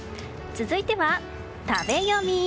続いては食べヨミ。